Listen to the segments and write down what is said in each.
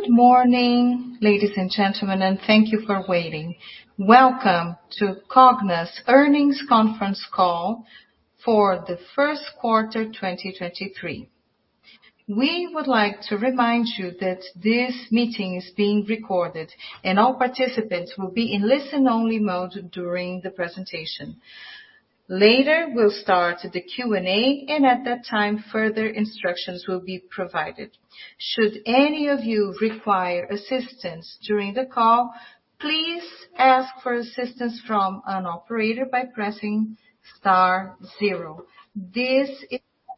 Good morning, ladies and gentlemen, thank you for waiting. Welcome to Cogna's Earnings Conference Call for the first quarter, 2023. We would like to remind you that this meeting is being recorded and all participants will be in listen only mode during the presentation. Later, we'll start the Q&A. At that time, further instructions will be provided. Should any of you require assistance during the call, please ask for assistance from an operator by pressing star zero. This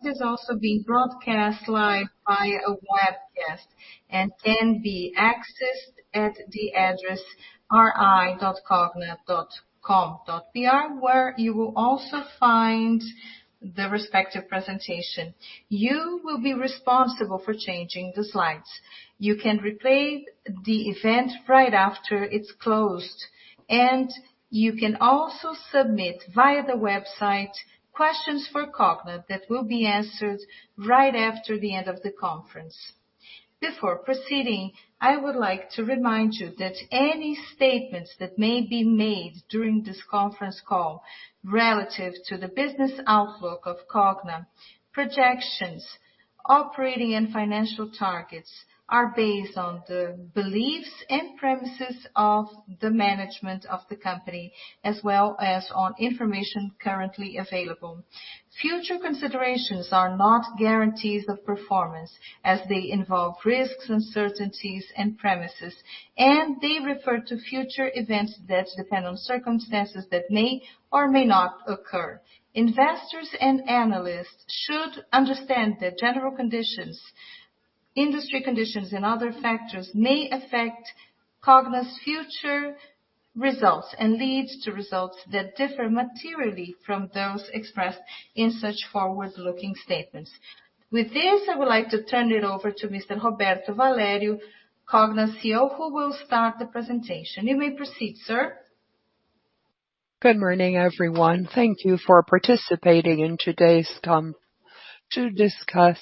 is also being broadcast live via a webcast and can be accessed at the address ri.cogna.com.br where you will also find the respective presentation. You will be responsible for changing the slides. You can replay the event right after it's closed. You can also submit, via the website, questions for Cogna that will be answered right after the end of the conference. Before proceeding, I would like to remind you that any statements that may be made during this conference call relative to the business outlook of Cogna, projections, operating and financial targets are based on the beliefs and premises of the management of the company, as well as on information currently available. Future considerations are not guarantees of performance as they involve risks, uncertainties and premises, and they refer to future events that depend on circumstances that may or may not occur. Investors and analysts should understand that general conditions, industry conditions and other factors may affect Cogna's future results and lead to results that differ materially from those expressed in such forward-looking statements. With this, I would like to turn it over to Mr. Roberto Valério, Cogna CEO, who will start the presentation. You may proceed, sir. Good morning, everyone. Thank you for participating in today's to discuss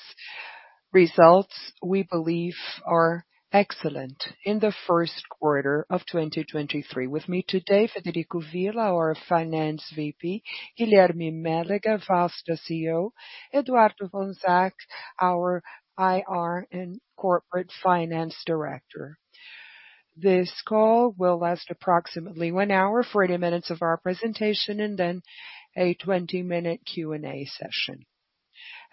results we believe are excellent in the first quarter of 2023. With me today, Frederico Villa, our Finance VP, Guilherme Mélega, Vasta CEO, Eduardo von Sack, our IR and Corporate Finance Director. This call will last approximately 1 hour, 40 minutes of our presentation, and then a 20-minute Q&A session.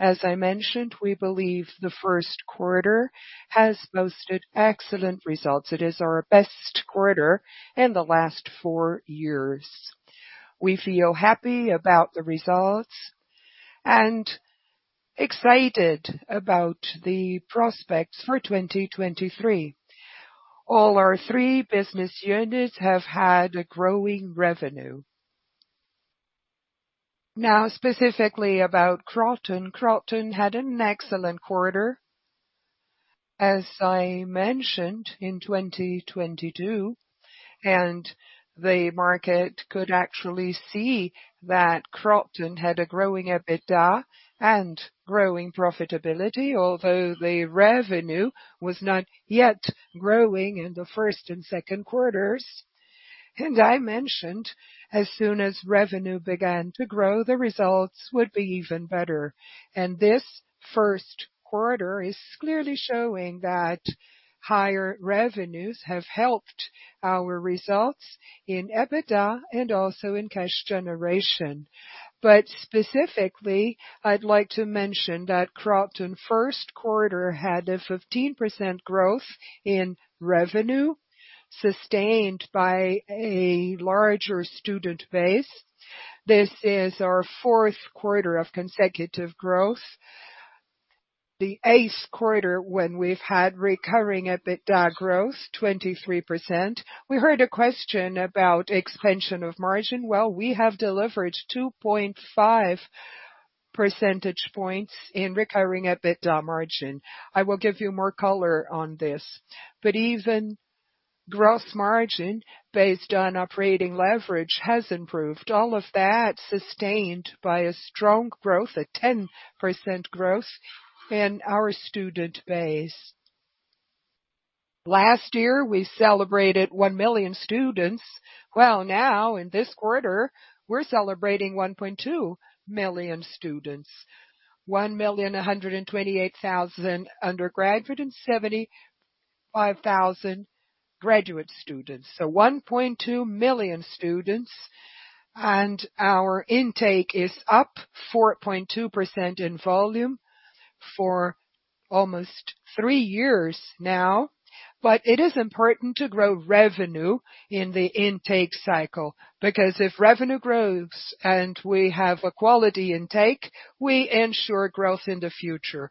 As I mentioned, we believe the first quarter has posted excellent results. It is our best quarter in the last four years. We feel happy about the results and excited about the prospects for 2023. All our three business units have had a growing revenue. Now, specifically about Kroton. Kroton had an excellent quarter, as I mentioned in 2022. The market could actually see that Kroton had a growing EBITDA and growing profitability, although the revenue was not yet growing in the first and second quarters. I mentioned as soon as revenue began to grow, the results would be even better. This first quarter is clearly showing that higher revenues have helped our results in EBITDA and also in cash generation. Specifically, I'd like to mention that Kroton first quarter had a 15% growth in revenue sustained by a larger student base. This is our fourth quarter of consecutive growth, the 8th quarter when we've had recurring EBITDA growth, 23%. We heard a question about expansion of margin. Well, we have delivered 2.5 percentage points in recurring EBITDA margin. I will give you more color on this. Even gross margin based on operating leverage has improved. All of that sustained by a strong growth, a 10% growth in our student base. Last year we celebrated 1 million students. Well, now in this quarter we're celebrating 1.2 million students. 1,128,000 undergraduate and 75,000 graduate students. 1.2 million students. Our intake is up 4.2% in volume for almost three years now. It is important to grow revenue in the intake cycle because if revenue grows and we have a quality intake, we ensure growth in the future.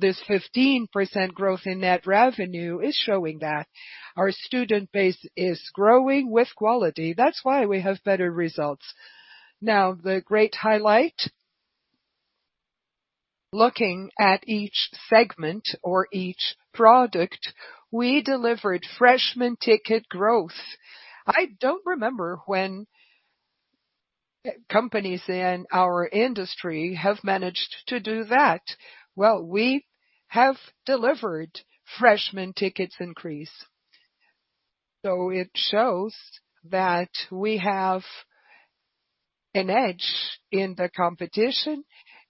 This 15% growth in net revenue is showing that our student base is growing with quality. That's why we have better results. Now the great highlight, looking at each segment or each product, we delivered freshman ticket growth. I don't remember when companies in our industry have managed to do that. We have delivered freshman tickets increase. It shows that we have an edge in the competition,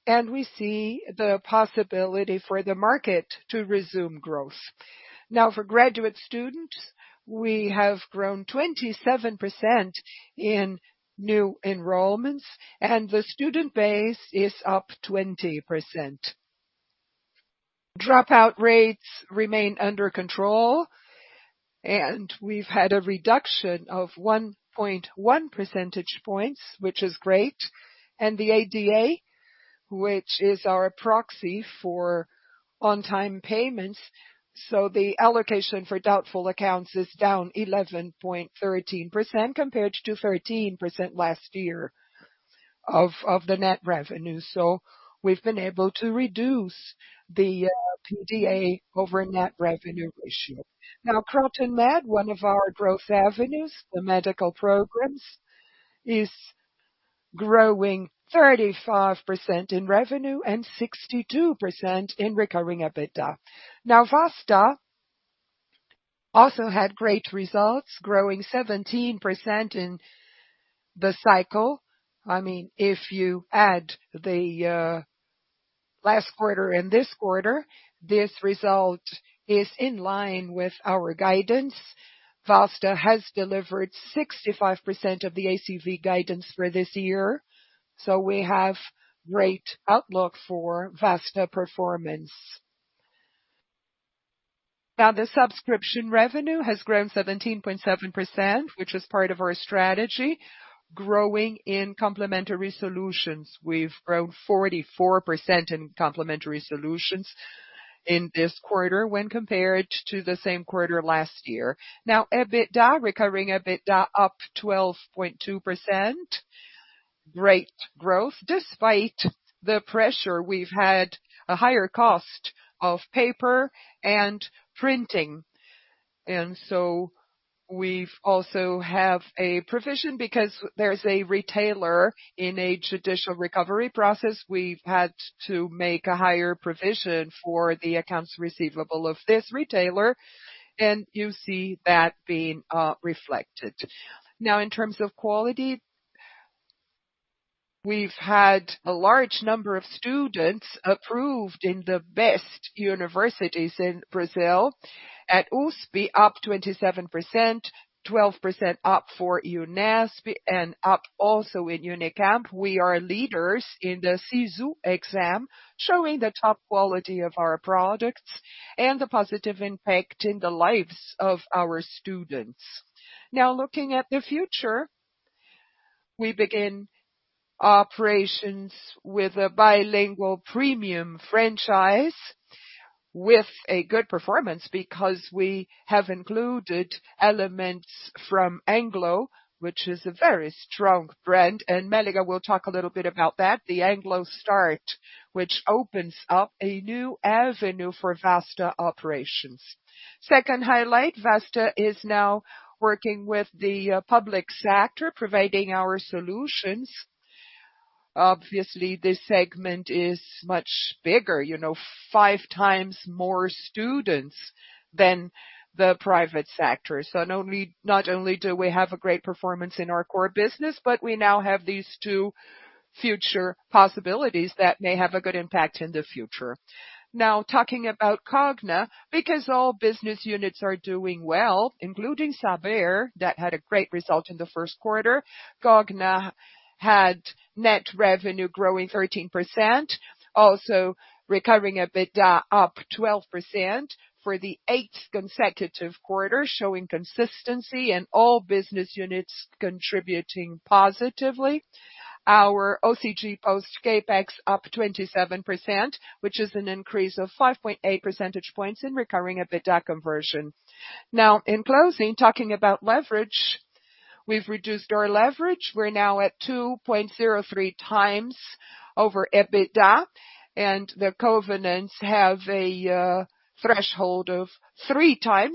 and we see the possibility for the market to resume growth. For graduate students, we have grown 27% in new enrollments, and the student base is up 20%. Dropout rates remain under control, and we've had a reduction of 1.1 percentage points, which is great. The ADA, which is our proxy for on-time payments. The allocation for doubtful accounts is down 11.13% compared to 13% last year of the net revenue. We've been able to reduce the PDA over net revenue ratio. KrotonMed, one of our growth avenues, the medical programs, is growing 35% in revenue and 62% in recurring EBITDA. Vasta also had great results, growing 17% in the cycle. I mean, if you add the last quarter and this quarter, this result is in line with our guidance. Vasta has delivered 65% of the ACV guidance for this year, so we have great outlook for Vasta performance. The subscription revenue has grown 17.7%, which is part of our strategy, growing in complementary solutions. We've grown 44% in complementary solutions in this quarter when compared to the same quarter last year. EBITDA, recurring EBITDA up 12.2%. Great growth despite the pressure. We've had a higher cost of paper and printing. We've also have a provision because there's a retailer in a judicial recovery process. We've had to make a higher provision for the accounts receivable of this retailer, and you see that being reflected. Now, in terms of quality, we've had a large number of students approved in the best universities in Brazil. At USP, up 27%. 12% up for UNASP and up also in UNICAMP. We are leaders in the SISU exam, showing the top quality of our products and the positive impact in the lives of our students. Now looking at the future, we begin operations with a bilingual premium franchise with a good performance because we have included elements from Anglo, which is a very strong brand, and Melissa will talk a little bit about that. The Start Anglo, which opens up a new avenue for Vasta operations. Second highlight, Vasta is now working with the public sector, providing our solutions. Obviously, this segment is much bigger. You know, 5x more students than the private sector. Not only do we have a great performance in our core business, but we now have these two future possibilities that may have a good impact in the future. Talking about Cogna, because all business units are doing well, including Saber, that had a great result in the first quarter. Cogna had net revenue growing 13%, also recovering EBITDA up 12% for the eighth consecutive quarter, showing consistency and all business units contributing positively. Our OCG post CapEx up 27%, which is an increase of 5.8 percentage points in recurring EBITDA conversion. In closing, talking about leverage, we've reduced our leverage. We're now at 2.03x over EBITDA, and the covenants have a threshold of 3x,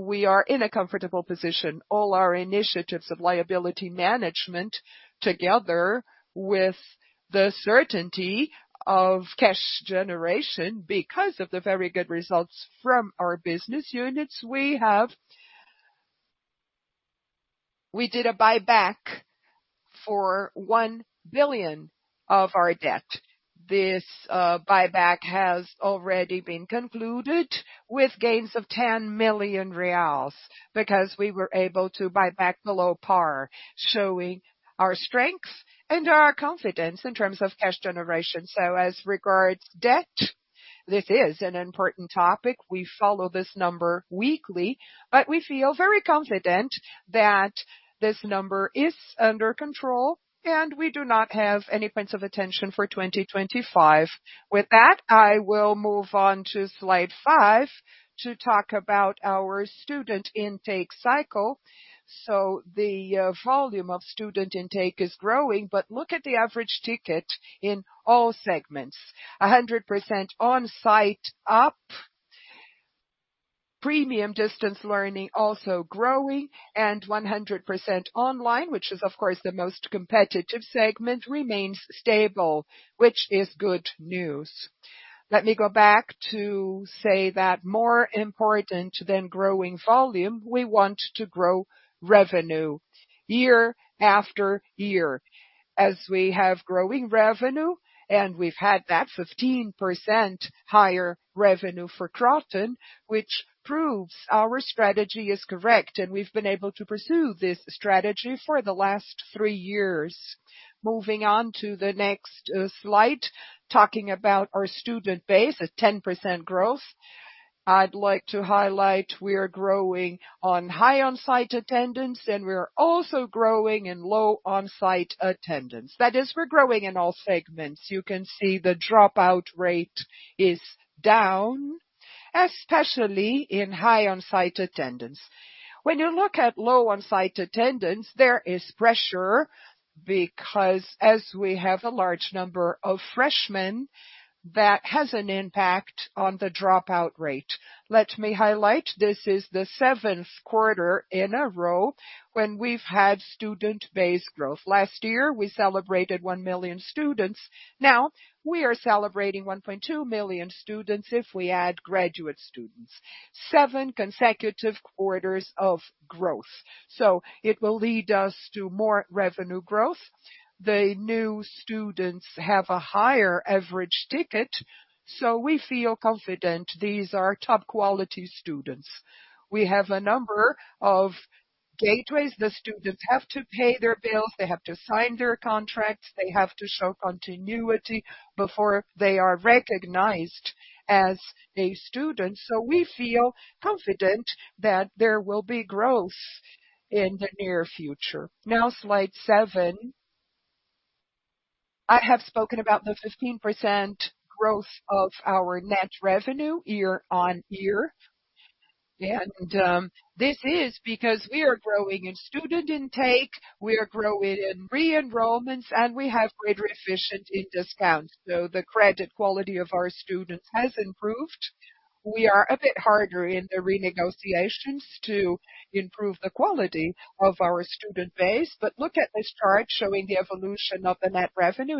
we are in a comfortable position. All our initiatives of liability management, together with the certainty of cash generation, because of the very good results from our business units, we did a buyback for 1 billion of our debt. This buyback has already been concluded with gains of 10 million reais because we were able to buy back below par, showing our strength and our confidence in terms of cash generation. As regards debt, this is an important topic. We follow this number weekly, but we feel very confident that this number is under control, and we do not have any points of attention for 2025. With that, I will move on to slide five to talk about our student intake cycle. The volume of student intake is growing, but look at the average ticket in all segments. A 100% on-site upPremium distance learning also growing and 100% online, which is of course, the most competitive segment, remains stable, which is good news. Let me go back to say that more important than growing volume, we want to grow revenue year after year. As we have growing revenue, and we've had that 15% higher revenue for Kroton, which proves our strategy is correct, and we've been able to pursue this strategy for the last three years. Moving on to the next slide. Talking about our student base, a 10% growth. I'd like to highlight we are growing on high on-site attendance, and we are also growing in low on-site attendance. That is, we're growing in all segments. You can see the dropout rate is down, especially in high on-site attendance. When you look at low on-site attendance, there is pressure because as we have a large number of freshmen, that has an impact on the dropout rate. Let me highlight, this is the seventh quarter in a row when we've had student base growth. Last year, we celebrated 1 million students. Now we are celebrating 1.2 million students if we add graduate students. Seven consecutive quarters of growth. It will lead us to more revenue growth. The new students have a higher average ticket, so we feel confident these are top quality students. We have a number of gateways. The students have to pay their bills, they have to sign their contracts, they have to show continuity before they are recognized as a student. We feel confident that there will be growth in the near future. Now, slide seven. I have spoken about the 15% growth of our net revenue year-on-year. This is because we are growing in student intake, we are growing in re-enrollments, and we have greater efficiency in discounts. The credit quality of our students has improved. We are a bit harder in the renegotiations to improve the quality of our student base. Look at this chart showing the evolution of the net revenue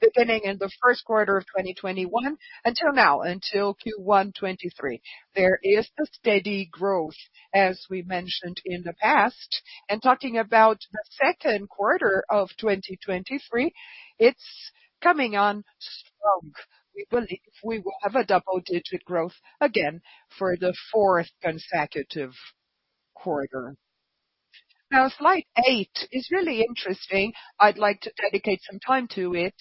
beginning in the first quarter quarter of 2021 until now, until Q1 2023. There is a steady growth, as we mentioned in the past. Talking about the second quarter of 2023, it's coming on strong. We believe we will have a double-digit growth again for the fourth consecutive quarter. Slide eight is really interesting. I'd like to dedicate some time to it.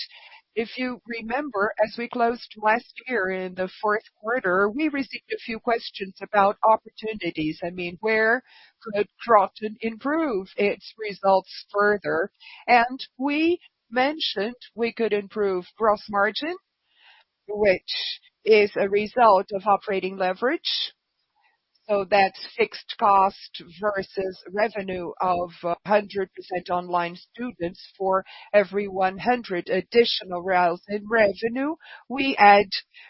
If you remember, as we closed last year in the fourth quarter, we received a few questions about opportunities. I mean, where could Kroton improve its results further? We mentioned we could improve gross margin, which is a result of operating leverage. That's fixed cost versus revenue of 100% online students. For every 100 additional BRL in revenue, we add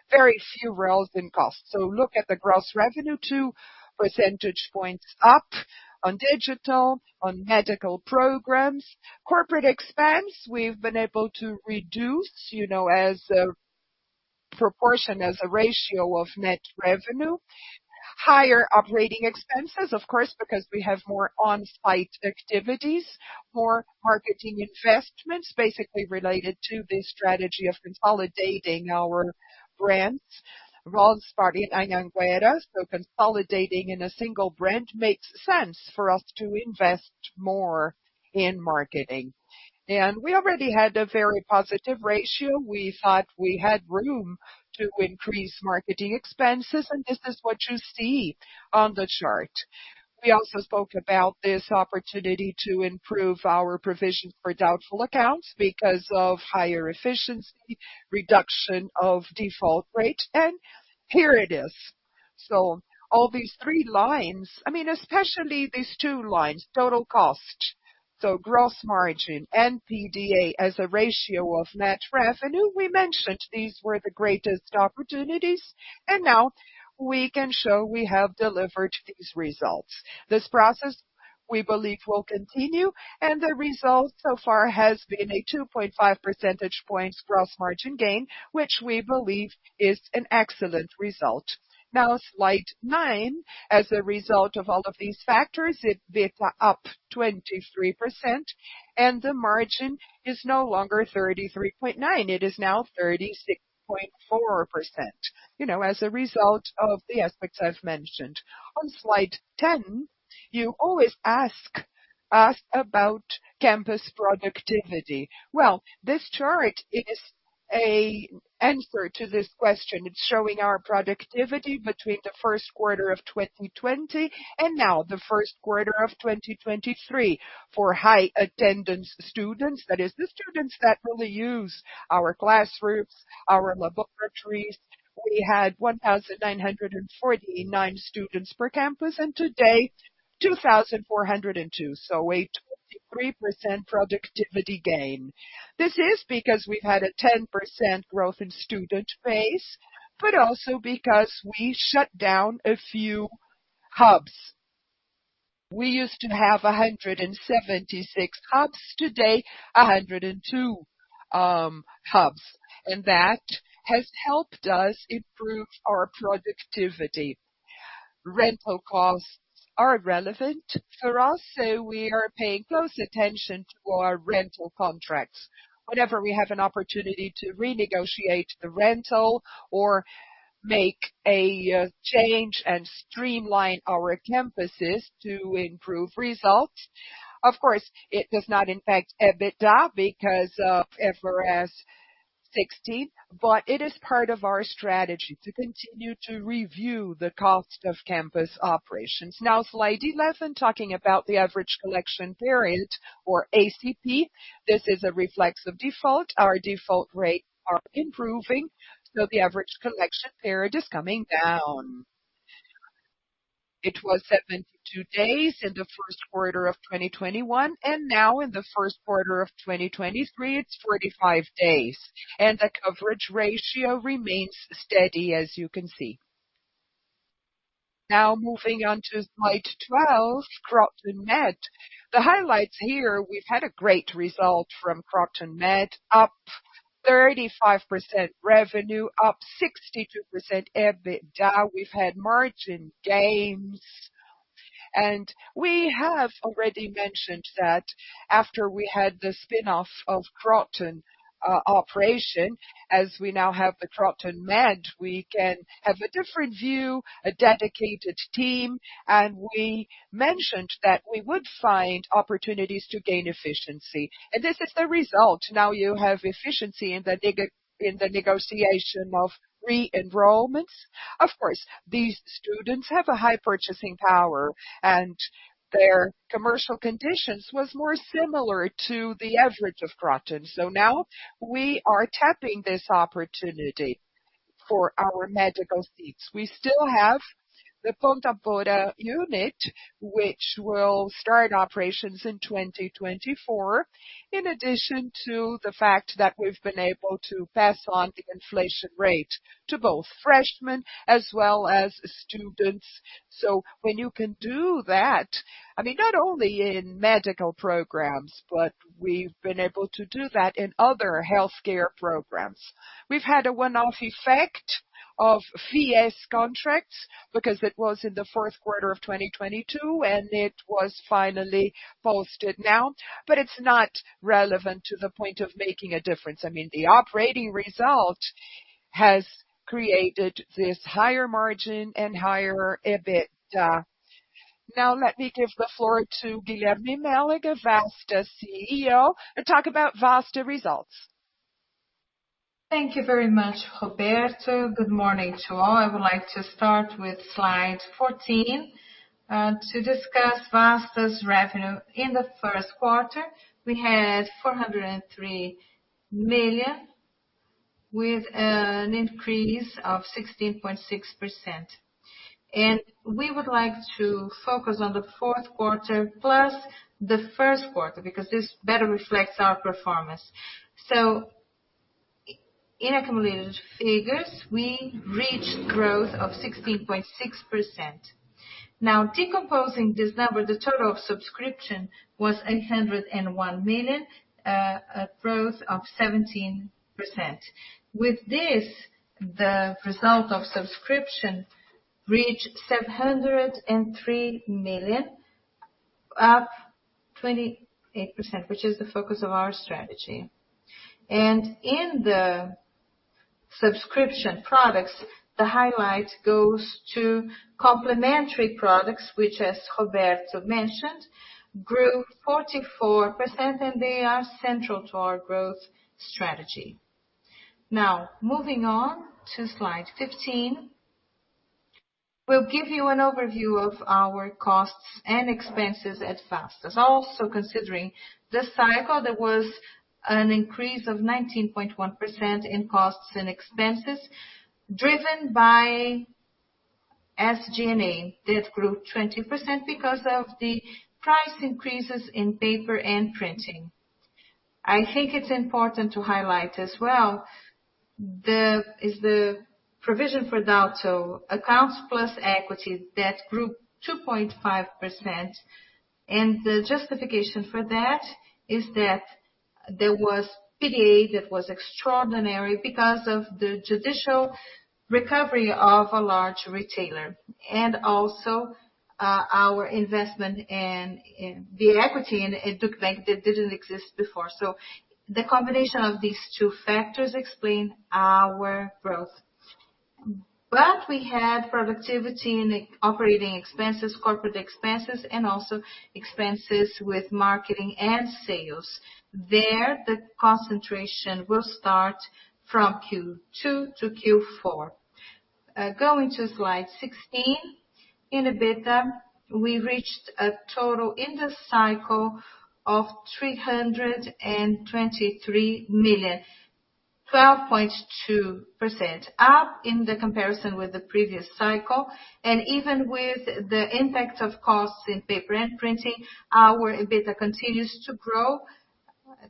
very few BRL in costs. Look at the gross revenue, two percentage points up on digital, on medical programs. Corporate expense, we've been able to reduce, you know, as a proportion, as a ratio of net revenue. Higher operating expenses, of course, because we have more on-site activities, more marketing investments, basically related to this strategy of consolidating our brands. We're all starting Anhanguera, consolidating in a single brand makes sense for us to invest more in marketing. We already had a very positive ratio. We thought we had room to increase marketing expenses, and this is what you see on the chart. We also spoke about this opportunity to improve our provision for doubtful accounts because of higher efficiency, reduction of default rate. Here it is. All these three lines, I mean, especially these two lines, total cost, so gross margin and PDA as a ratio of net revenue. We mentioned these were the greatest opportunities, and now we can show we have delivered these results. This process, we believe, will continue, and the result so far has been a 2.5 percentage points gross margin gain, which we believe is an excellent result. Slide nine. As a result of all of these factors, EBITDA up 23% and the margin is no longer 33.9%, it is now 36.4%, you know, as a result of the aspects I've mentioned. On slide 10, you always ask us about campus productivity. Well, this chart is a answer to this question. It's showing our productivity between the first quarter of 2020 and now the first quarter of 2023. For high attendance students, that is the students that really use our classrooms, our laboratories. We had 1,949 students per campus. Today, 2,402. A 23% productivity gain. This is because we've had a 10% growth in student base, but also because we shut down a few hubs. We used to have 176 hubs, today 102 hubs, that has helped us improve our productivity. Rental costs are relevant for us, we are paying close attention to our rental contracts. Whenever we have an opportunity to renegotiate the rental or make a change and streamline our campuses to improve results. Of course, it does not impact EBITDA because of IFRS 16, it is part of our strategy to continue to review the cost of campus operations. Slide 11, talking about the Average Collection Period or ACP. This is a reflex of default. Our default rates are improving, the average collection period is coming down. It was 72 days in the first quarter of 2021, now in the first quarter of 2023, it's 45 days. The coverage ratio remains steady, as you can see. Now moving on to slide 12, KrotonMed. The highlights here, we've had a great result from KrotonMed, up 35% revenue, up 62% EBITDA. We've had margin gains. We have already mentioned that after we had the spin-off of Kroton operation, as we now have the KrotonMed, we can have a different view, a dedicated team, and we mentioned that we would find opportunities to gain efficiency. This is the result. Now you have efficiency in the negotiation of re-enrollments. Of course, these students have a high purchasing power and their commercial conditions was more similar to the average of Kroton. Now we are tapping this opportunity for our medical seats. We still have the Ponta Porã unit, which will start operations in 2024, in addition to the fact that we've been able to pass on the inflation rate to both freshmen as well as students. When you can do that, I mean, not only in medical programs, but we've been able to do that in other healthcare programs. We've had a one-off effect of FIES contracts because it was in the fourth quarter of 2022, and it was finally posted now. It's not relevant to the point of making a difference. I mean, the operating result has created this higher margin and higher EBITDA. Now let me give the floor to Guilherme Mélega, a Vasta CEO, to talk about Vasta results. Thank you very much, Roberto. Good morning to all. I would like to start with slide 14, to discuss Vasta's revenue. In the first quarter, we had 403 million, with an increase of 16.6%. We would like to focus on the fourth quarter plus the first quarter because this better reflects our performance. In accumulated figures, we reached growth of 16.6%. Decomposing this number, the total of subscription was 801 million, a growth of 17%. With this, the result of subscription reached 703 million, up 28%, which is the focus of our strategy. In the subscription products, the highlight goes to complementary products, which, as Roberto mentioned, grew 44%, and they are central to our growth strategy. Moving on to slide 15. We'll give you an overview of our costs and expenses at Vasta. Considering this cycle, there was an increase of 19.1% in costs and expenses driven by SG&A. That grew 20% because of the price increases in paper and printing. I think it's important to highlight as well is the provision for doubt, so accounts plus equity, that grew 2.5%. The justification for that is that there was PDA that was extraordinary because of the judicial recovery of a large retailer. Also, our investment in the equity in Educbank that didn't exist before. The combination of these two factors explain our growth. We had productivity in operating expenses, corporate expenses, and also expenses with marketing and sales. There, the concentration will start from Q2-Q4. Going to slide 16. In EBITDA, we reached a total in the cycle of 323 million. 12.2% up in the comparison with the previous cycle. Even with the impact of costs in paper and printing, our EBITDA continues to grow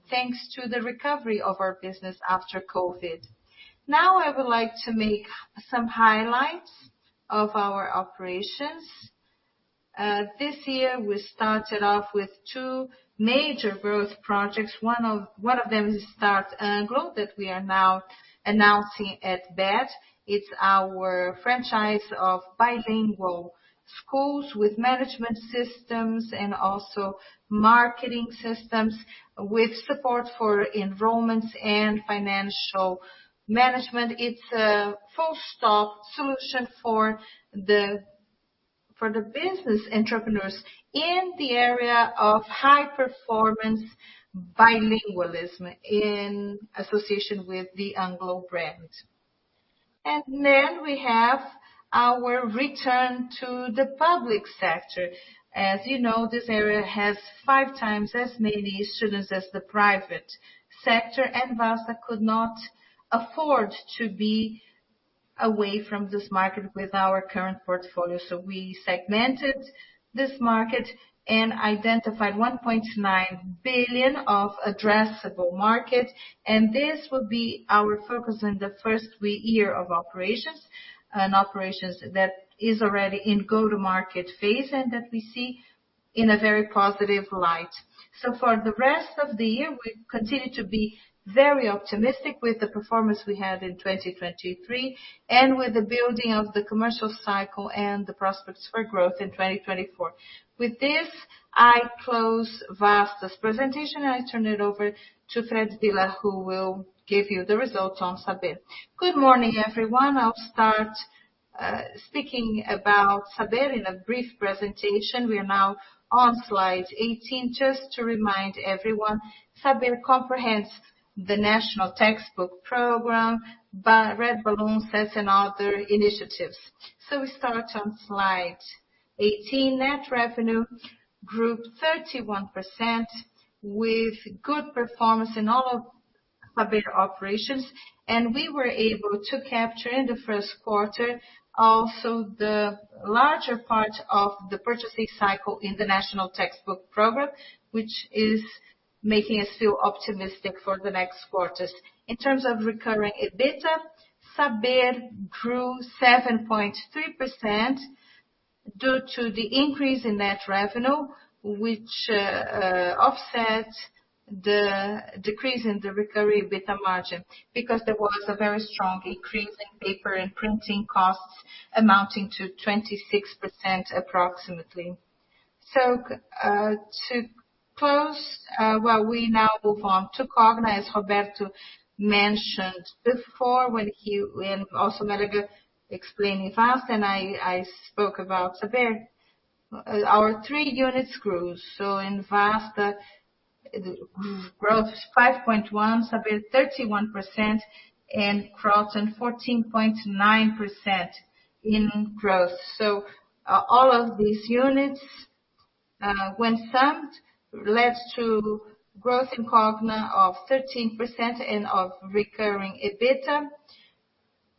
thanks to the recovery of our business after COVID. Now I would like to make some highlights of our operations. This year we started off with two major growth projects. One of them is Start Anglo, that we are now announcing at Bett. It's our franchise of bilingual schools with management systems and also marketing systems with support for enrollments and financial management. It's a full stop solution for the business entrepreneurs in the area of high performance bilingualism in association with the Anglo brand. Then we have our return to the public sector. As you know, this area has 5x as many students as the private sector, and Vasta could not afford to be away from this market with our current portfolio. We segmented this market and identified 1.9 billion of addressable market, and this will be our focus in the first year of operations, and operations that is already in go-to-market phase and that we see in a very positive light. For the rest of the year, we continue to be very optimistic with the performance we had in 2023 and with the building of the commercial cycle and the prospects for growth in 2024. With this, I close Vasta's presentation. I turn it over to Frederico Villa, who will give you the results on Saber. Good morning, everyone. I'll start speaking about Saber in a brief presentation. We are now on slide 18. Just to remind everyone, Saber comprehends the National Textbook Program, by Red Balloon as in other initiatives. We start on slide 18. Net revenue grew 31% with good performance in all of Saber operations. We were able to capture in the first quarter also the larger part of the purchasing cycle in the National Textbook Program, which is making us feel optimistic for the next quarters. In terms of recurring EBITDA, Saber grew 7.3% due to the increase in net revenue, which offset the decrease in the recurring EBITDA margin because there was a very strong increase in paper and printing costs amounting to 26% approximately. Well, we now move on to Cogna, as Roberto mentioned before when also Mélega explaining Vasta and I spoke about Saber. Our three units grew. In Vasta, growth is 5.1, Saber 31%, and Kroton 14.9% in growth. All of these units, when summed, led to growth in Cogna of 13% and of recurring EBITDA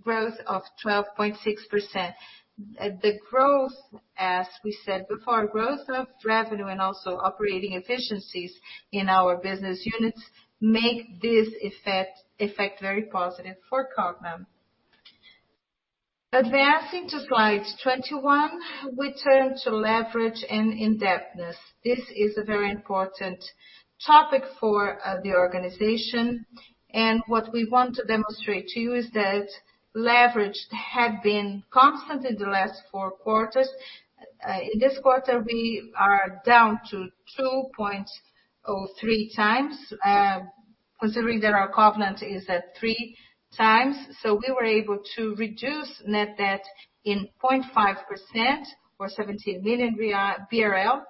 growth of 12.6%. The growth, as we said before, growth of revenue and also operating efficiencies in our business units make this effect very positive for Cogna. Advancing to slide 21, we turn to leverage and indebtedness. This is a very important topic for the organization. What we want to demonstrate to you is that leverage had been constant in the last four quarters. In this quarter we are down to 2.03x, considering that our covenant is at 3x. We were able to reduce net debt in 0.5% or 17 million BRL.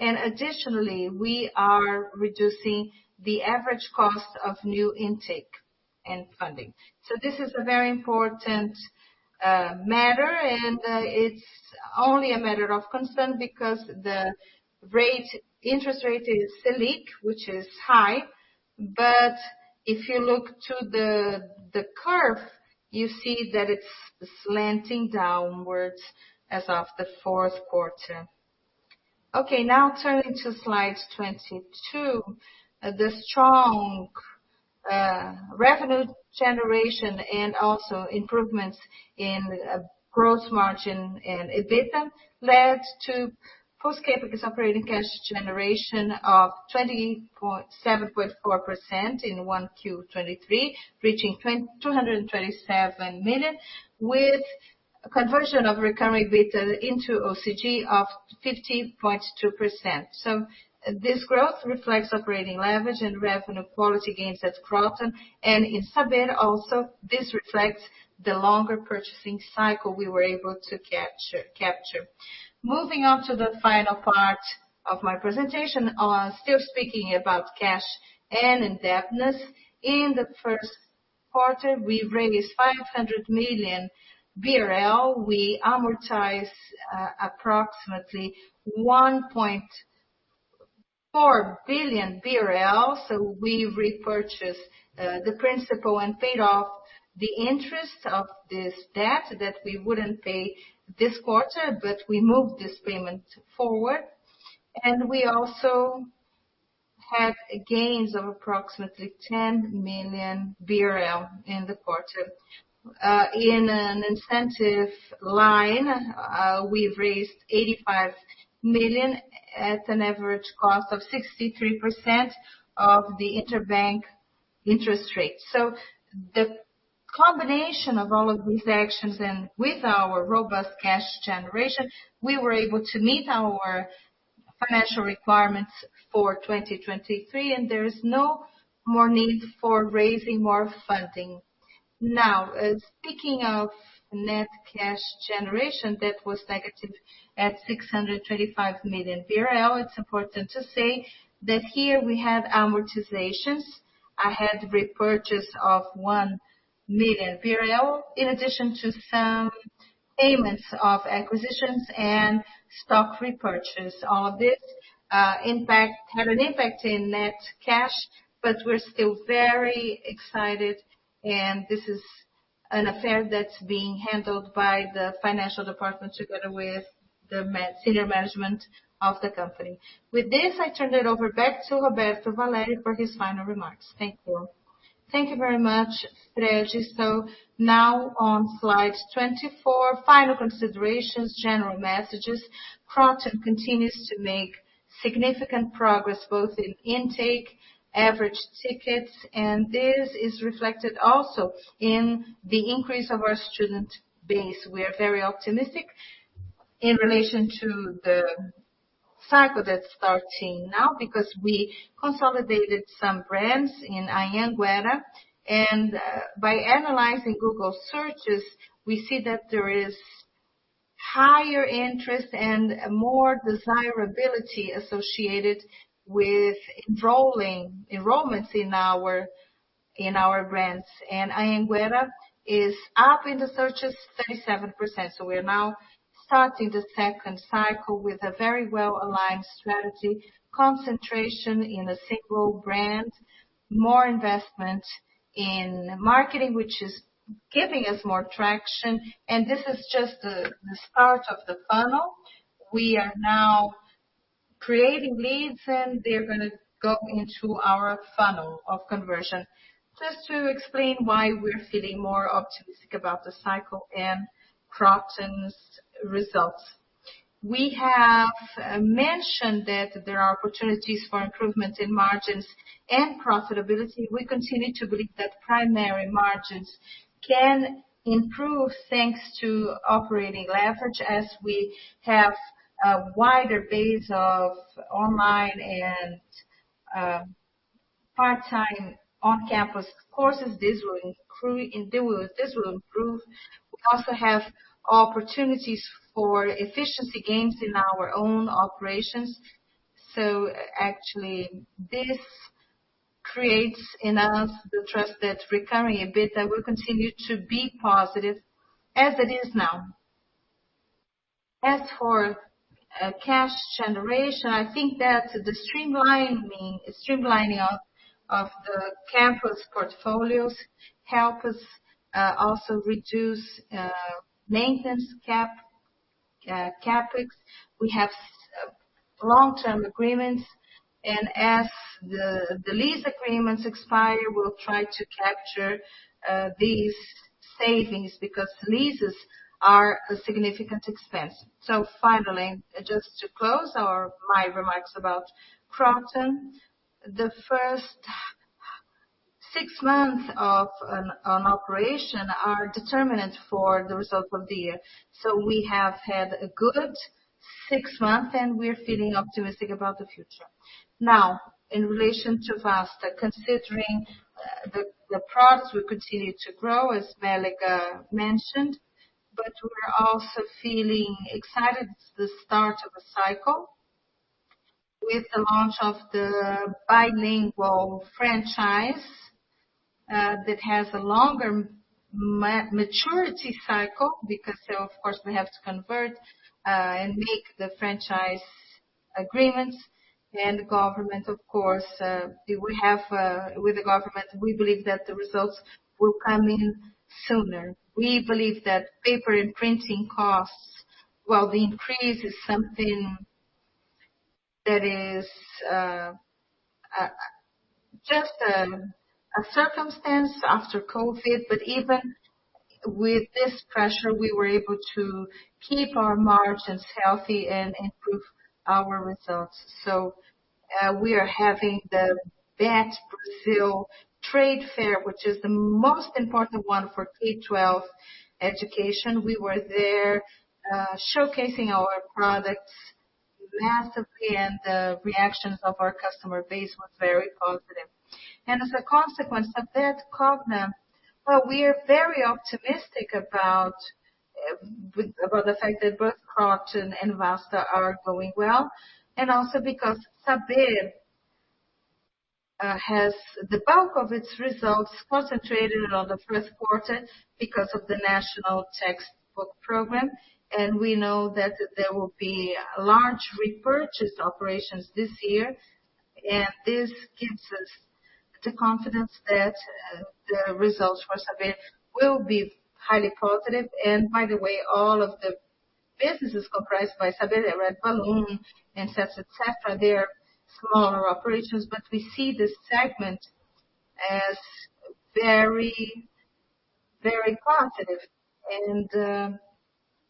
Additionally, we are reducing the average cost of new intake and funding. This is a very important matter, and it's only a matter of concern because the interest rate is Selic, which is high. If you look to the curve, you see that it's slanting downwards as of the fourth quarter. Now turning to slide 22. The strong revenue generation and also improvements in gross margin and EBITDA led to post-CapEx operating cash generation of 7.4% in 1Q 2023, reaching 227 million, with conversion of recurring EBITDA into OCG of 50.2%. This growth reflects operating leverage and revenue quality gains at Kroton. In Saber also, this reflects the longer purchasing cycle we were able to capture. Moving on to the final part of my presentation, still speaking about cash and indebtedness. In the first quarter we raised 500 million BRL. We amortized approximately 1.4 billion BRL. We repurchased the principal and paid off the interest of this debt that we wouldn't pay this quarter, but we moved this payment forward. We also had gains of approximately 10 million BRL in the quarter. In an incentive line, we've raised 85 million at an average cost of 63% of the interbank interest rate. The combination of all of these actions, and with our robust cash generation, we were able to meet our financial requirements for 2023, and there is no more need for raising more funding. Now, speaking of net cash generation, that was negative at 625 million BRL. It's important to say that here we have amortizations. I had repurchase of 1 million, in addition to some payments of acquisitions and stock repurchase. All this had an impact in net cash, but we're still very excited, and this is an affair that's being handled by the financial department together with the senior management of the company. With this, I turn it over back to Roberto Valério for his final remarks. Thank you. Thank you very much, Frederico. Now on slide 24, final considerations, general messages. Kroton continues to make significant progress, both in intake, average tickets, and this is reflected also in the increase of our student base. We are very optimistic in relation to the cycle that's starting now because we consolidated some brands in Anhanguera. By analyzing Google searches, we see that there is higher interest and more desirability associated with enrollments in our brands. Anhanguera is up in the searches 37%. We are now starting the second cycle with a very well-aligned strategy, concentration in a single brand, more investment in marketing, which is giving us more traction. This is just the start of the funnel. We are now creating leads, and they're gonna go into our funnel of conversion. Just to explain why we're feeling more optimistic about the cycle and Kroton's results. We have mentioned that there are opportunities for improvement in margins and profitability. We continue to believe that primary margins can improve thanks to operating leverage as we have a wider base of online and part-time on-campus courses. This will improve. We also have opportunities for efficiency gains in our own operations. Actually this creates in us the trust that's recurring a bit, that will continue to be positive as it is now. As for cash generation, I think that the streamlining of the campus portfolios help us also reduce maintenance CapEx. We have long-term agreements, as the lease agreements expire, we'll try to capture these savings because leases are a significant expense. Finally, just to close my remarks about Kroton, the first six months of an operation are determinant for the result of the year. We have had a good six months, and we're feeling optimistic about the future. In relation to Vasta, considering the products will continue to grow, as Valério mentioned, but we're also feeling excited at the start of a cycle with the launch of the bilingual franchise that has a longer maturity cycle because, of course, we have to convert and make the franchise agreements. The government, of course, we have with the government, we believe that the results will come in sooner. We believe that paper and printing costs, while the increase is something that is just a circumstance after COVID, but even with this pressure, we were able to keep our margins healthy and improve our results. We are having the Bett Brasil Trade Fair, which is the most important one for K-12 education. We were there, showcasing our products massively, and the reactions of our customer base was very positive. As a consequence of that, Cogna. Well, we are very optimistic about the fact that both Kroton and Vasta are going well, and also because Saber has the bulk of its results concentrated on the 1st quarter because of the National Textbook Program. We know that there will be large repurchase operations this year. This gives us the confidence that the results for Sabesp will be highly positive. By the way, all of the businesses comprised by Sabesp, Red Balloon and so forth, et cetera, they're smaller operations, but we see this segment as very, very positive.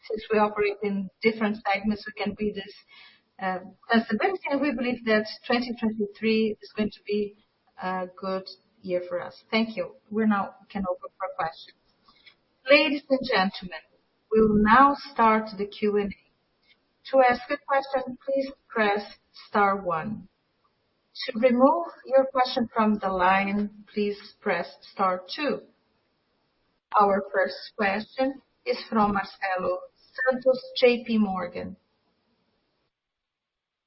Since we operate in different segments, we can be this as the best. We believe that 2023 is going to be a good year for us. Thank you. We now can open for questions. Ladies and gentlemen, we will now start the Q&A. To ask a question, please press star one. To remove your question from the line, please press star two. Our first question is from Marcelo Santos, J.P. Morgan.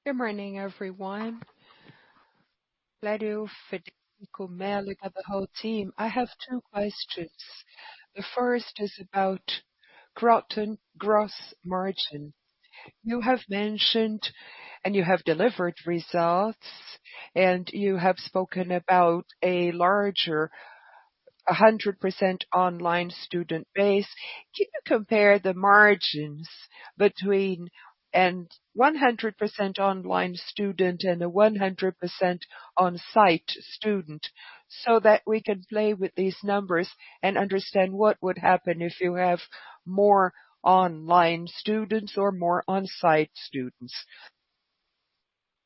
Good morning, everyone. Claudio, Frederico, Mallika, the whole team. I have two questions. The first is about Kroton gross margin. You have mentioned, and you have delivered results, and you have spoken about a larger 100% online student base. Can you compare the margins between and 100% online student and a 100% on-site student so that we can play with these numbers and understand what would happen if you have more online students or more on-site students?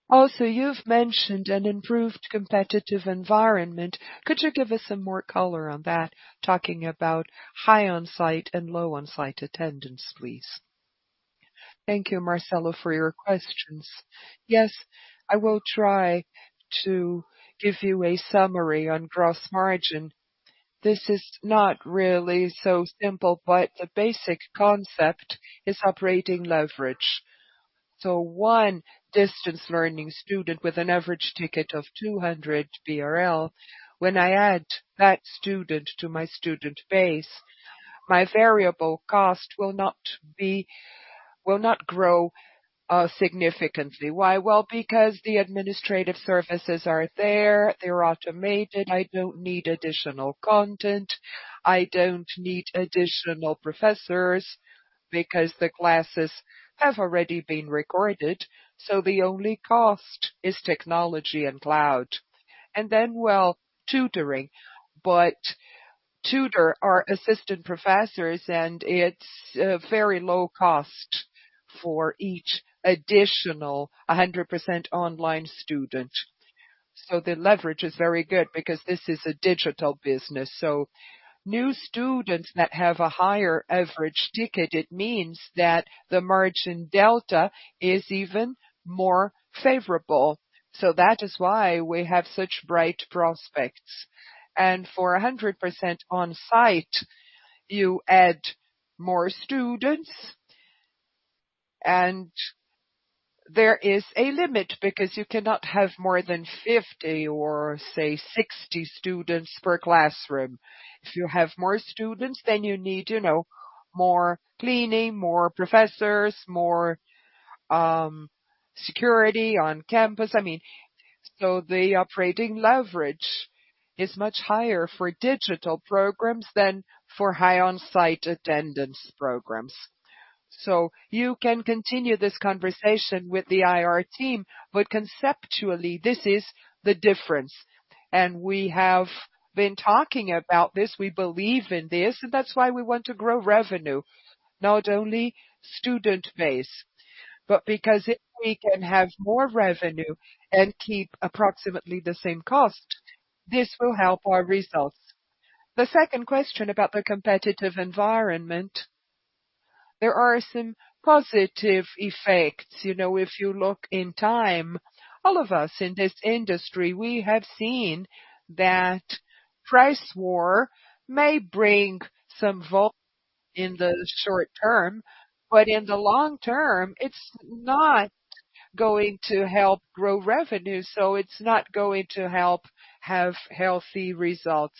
Also, you've mentioned an improved competitive environment. Could you give us some more color on that, talking about high on-site and low on-site attendance, please? Thank you, Marcelo, for your questions. Yes, I will try to give you a summary on gross margin. This is not really so simple, but the basic concept is operating leverage. One distance learning student with an average ticket of 200 BRL, when I add that student to my student base, my variable cost will not grow significantly. Why? Well, because the administrative services are there, they're automated. I don't need additional content. I don't need additional professors because the classes have already been recorded, so the only cost is technology and cloud. Then, well, tutoring. Tutor are assistant professors, and it's a very low cost for each additional 100% online student. The leverage is very good because this is a digital business. New students that have a higher average ticket, it means that the margin delta is even more favorable. That is why we have such bright prospects. For 100% on-site, you add more students, and there is a limit because you cannot have more than 50 or say 60 students per classroom. If you have more students, you need, you know, more cleaning, more professors, more security on campus. I mean, the operating leverage is much higher for digital programs than for high on-site attendance programs. You can continue this conversation with the IR team, but conceptually, this is the difference. We have been talking about this. We believe in this, and that's why we want to grow revenue, not only student base. Because if we can have more revenue and keep approximately the same cost, this will help our results. The second question about the competitive environment, there are some positive effects. You know, if you look in time, all of us in this industry, we have seen that price war may bring some vol in the short term, but in the long term, it's not going to help grow revenue, so it's not going to help have healthy results.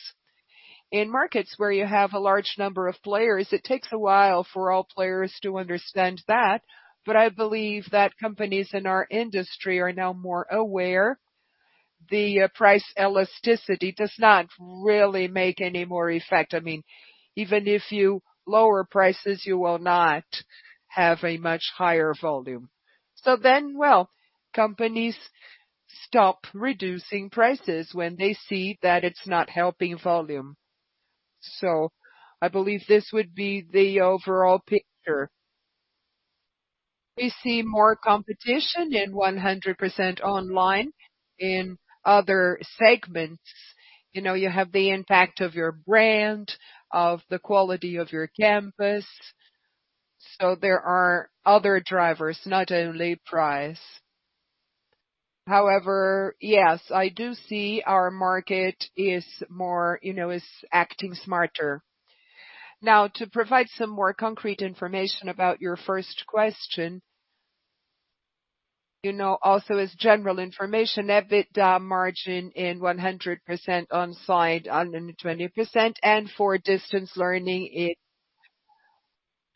In markets where you have a large number of players, it takes a while for all players to understand that, I believe that companies in our industry are now more aware. The price elasticity does not really make any more effect. I mean, even if you lower prices, you will not have a much higher volume. Well, companies stop reducing prices when they see that it's not helping volume. I believe this would be the overall picture. We see more competition in 100% online in other segments. You know, you have the impact of your brand, of the quality of your campus. There are other drivers, not only price. However, yes, I do see our market is more, you know, is acting smarter. To provide some more concrete information about your first question. You know, also as general information, EBITDA margin in 100% on-site under 20% and for distance learning it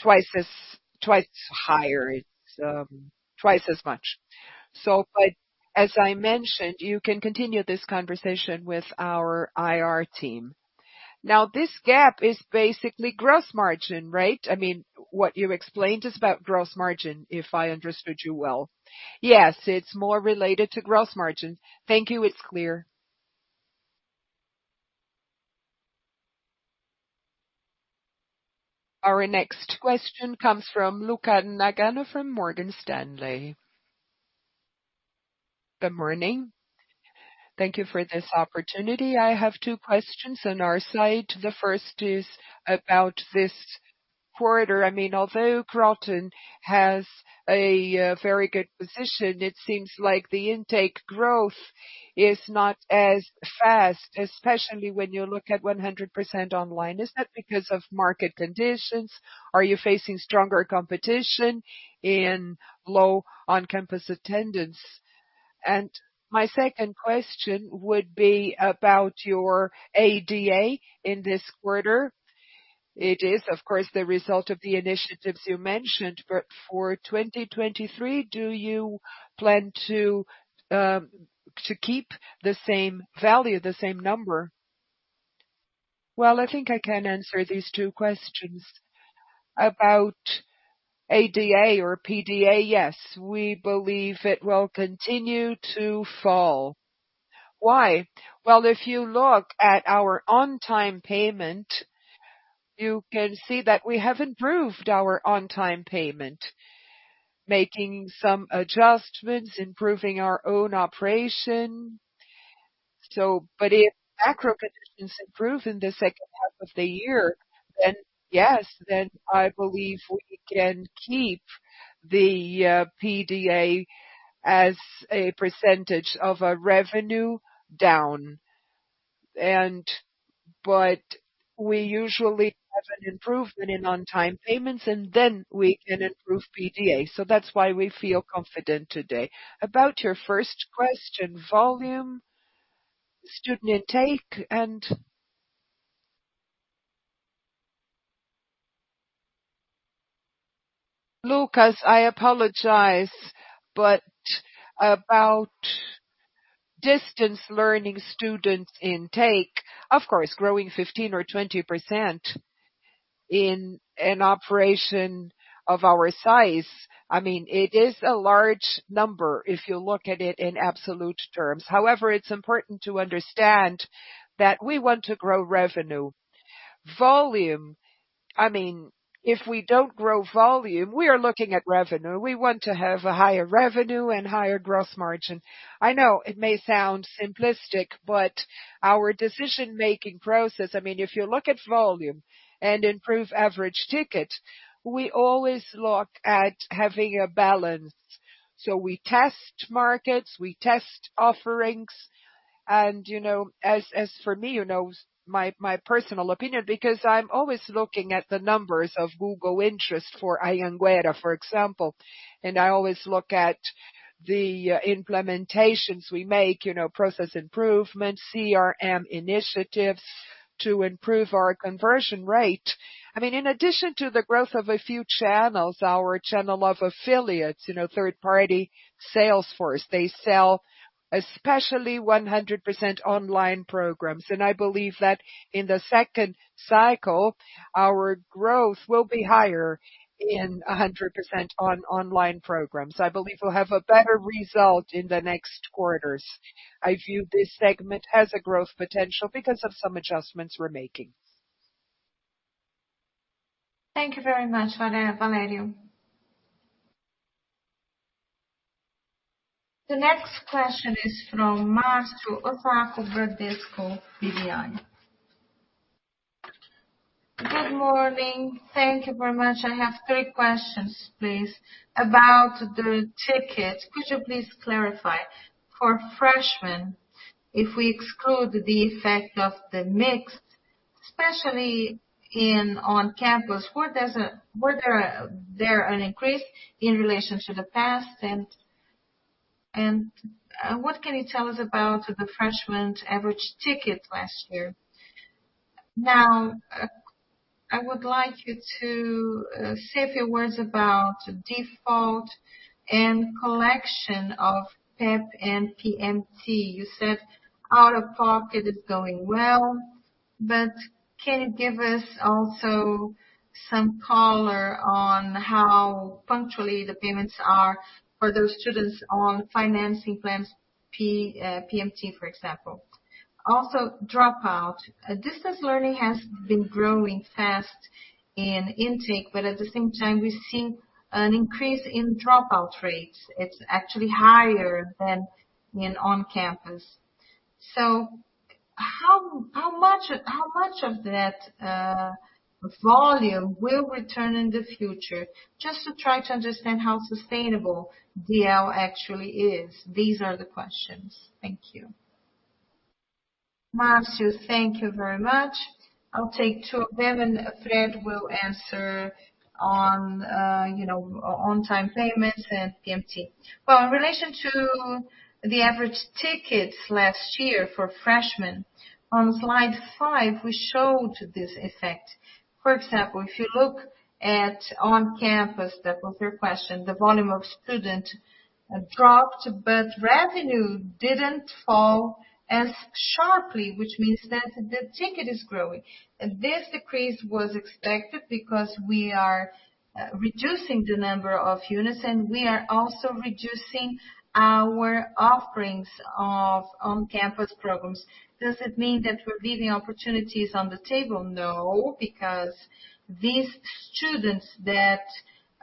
twice as much. As I mentioned, you can continue this conversation with our IR team. This gap is basically gross margin, right? I mean, what you explained is about gross margin, if I understood you well. Yes, it's more related to gross margin. Thank you. It's clear. Our next question comes from Lucas Nagano from Morgan Stanley. Good morning. Thank you for this opportunity. I have two questions on our side. The first is about this quarter. I mean, although Kroton has a very good position, it seems like the intake growth is not as fast, especially when you look at 100% online. Is that because of market conditions? Are you facing stronger competition in low on-campus attendance? My second question would be about your ADA in this quarter. It is, of course, the result of the initiatives you mentioned. For 2023, do you plan to keep the same value, the same number? Well, I think I can answer these two questions. About ADA or PDA, yes, we believe it will continue to fall. Why? Well, if you look at our on-time payment, you can see that we have improved our on-time payment, making some adjustments, improving our own operation. If macro conditions improve in the second half of the year, then yes, then I believe we can keep the PDA as a percentage of our revenue down. We usually have an improvement in on-time payments, and then we can improve PDA. That's why we feel confident today. About your first question, volume, student intake. Lucas, I apologize, but about distance learning student intake. Of course, growing 15% or 20% in an operation of our size, I mean, it is a large number if you look at it in absolute terms. However, it's important to understand that we want to grow revenue. I mean, if we don't grow volume, we are looking at revenue. We want to have a higher revenue and higher gross margin. I know it may sound simplistic, our decision-making process, I mean, if you look at volume and improve average ticket, we always look at having a balance. We test markets, we test offerings. You know, as for me, you know, my personal opinion, because I'm always looking at the numbers of Google interest for Anhanguera, for example. I always look at the implementations we make, you know, process improvements, CRM initiatives to improve our conversion rate. I mean, in addition to the growth of a few channels, our channel of affiliates, you know, third-party sales force, they sell especially 100% online programs. I believe that in the second cycle, our growth will be higher in 100% on online programs. I believe we'll have a better result in the next quarters. I view this segment as a growth potential because of some adjustments we're making. Thank you very much, Valério. The next question is from Marcio Osako, Bradesco BBI. Good morning. Thank you very much. I have three questions, please. About the ticket, could you please clarify for freshmen, if we exclude the effect of the mix, especially in on-campus, where does there an increase in relation to the past? What can you tell us about the freshmen average ticket last year? Now, I would like you to say a few words about default and collection of PEP and PMT. You said out-of-pocket is going well, can you give us also some color on how punctually the payments are for those students on financing plans PMT, for example? Also dropout. Distance learning has been growing fast in intake, at the same time we're seeing an increase in dropout rates. It's actually higher than in on-campus. How much of that volume will return in the future? Just to try to understand how sustainable DL actually is. These are the questions. Thank you. Marcio, thank you very much. I'll take two of them, and Fred will answer on, you know, on time payments and PMT. In relation to the average tickets last year for freshmen, on slide five we showed this effect. For example, if you look at on-campus, that was your question, the volume of student dropped, but revenue didn't fall as sharply, which means that the ticket is growing. This decrease was expected because we are reducing the number of units, and we are also reducing our offerings of on-campus programs. Does it mean that we're leaving opportunities on the table? Because these students that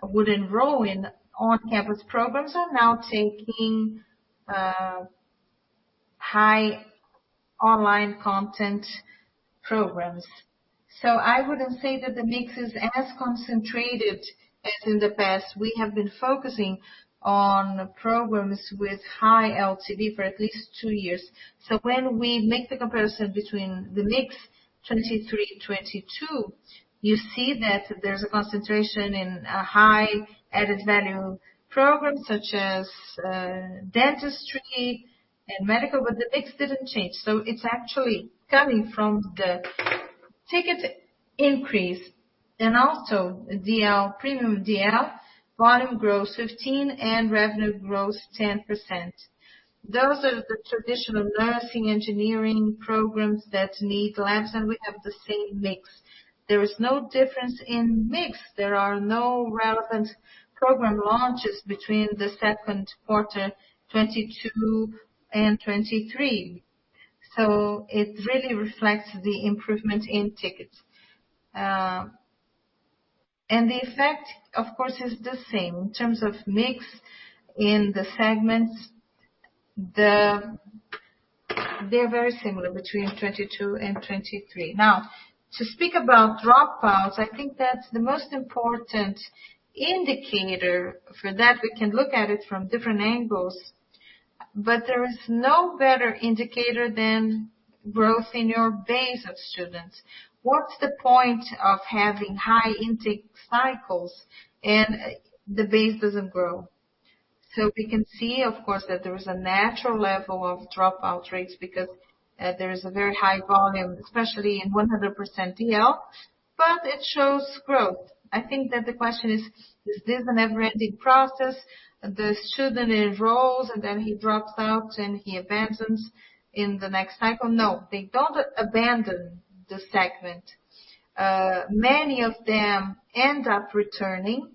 would enroll in on-campus programs are now taking high online content programs. I wouldn't say that the mix is as concentrated as in the past. We have been focusing on programs with high LTV for at least two years. When we make the comparison between the mix 2023 and 2022, you see that there's a concentration in a high added value programs such as dentistry and medical, but the mix didn't change. It's actually coming from the ticket increase and also premium DL volume growth 15 and revenue growth 10%. Those are the traditional nursing engineering programs that need labs, and we have the same mix. There is no difference in mix. There are no relevant program launches between the second quarter 2022 and 2023. It really reflects the improvement in tickets. The effect, of course, is the same in terms of mix in the segments. They are very similar between 2022 and 2023. To speak about dropouts, I think that's the most important indicator. For that we can look at it from different angles, but there is no better indicator than growth in your base of students. What's the point of having high intake cycles and the base doesn't grow? We can see of course, that there is a natural level of dropout rates because there is a very high volume, especially in 100% DL, but it shows growth. I think that the question is this a never-ending process? The student enrolls and then he drops out and he abandons in the next cycle. No, they don't abandon the segment. Many of them end up returning.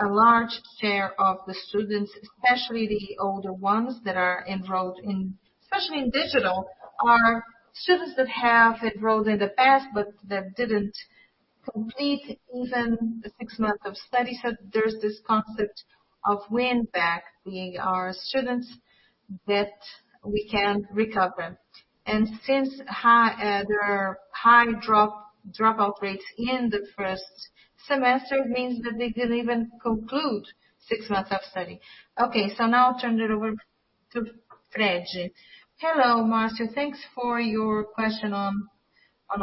A large share of the students, especially the older ones that are enrolled in, especially in digital, are students that have enrolled in the past but that didn't complete even the six months of study. There's this concept of win back our students that we can recover. Since high there are high dropout rates in the first semester, it means that they didn't even conclude six months of study. Okay, now I'll turn it over to Fred. Hello, Marcio. Thanks for your question on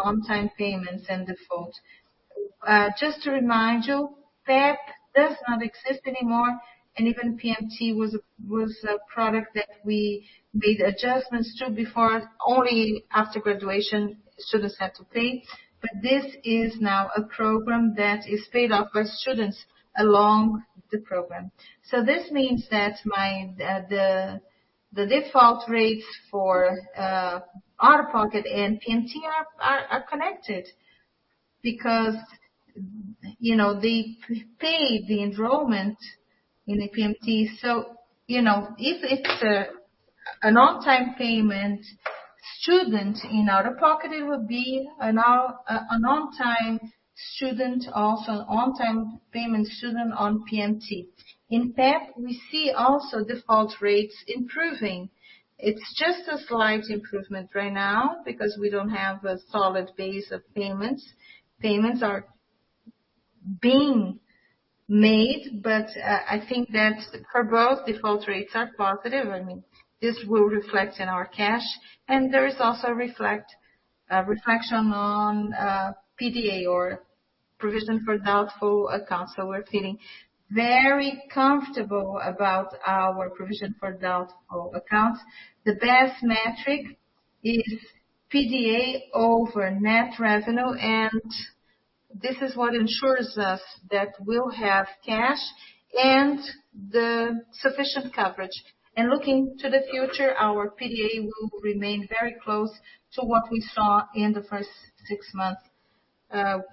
on-time payments and default. Just to remind you, PEP does not exist anymore, and even PMT was a product that we made adjustments to before. Only after graduation students had to pay. This is now a program that is paid off by students along the program. This means that the default rates for out-of-pocket and PMT are connected because, you know, they pay the enrollment in the PMT. You know, if it's an on-time payment student in out-of-pocket, it would be an on-time student, also an on-time payment student on PMT. In PEP, we see also default rates improving. It's just a slight improvement right now because we don't have a solid base of payments. Payments are being made, but I think that for both default rates are positive. I mean, this will reflect in our cash and there is also a reflection on PDA or provision for doubtful accounts. We're feeling very comfortable about our provision for doubtful accounts. The best metric is PDA over net revenue, this is what ensures us that we'll have cash and the sufficient coverage. Looking to the future, our PDA will remain very close to what we saw in the first six months,